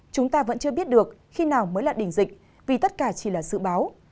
chúng ta vẫn chưa biết được khi nào mới là đỉnh dịch vì tất cả chỉ là dự báo